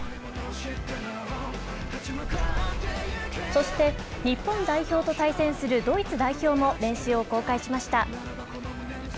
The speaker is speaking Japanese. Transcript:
そして、日本代表と対戦するドイツ代表も練習を公開しました。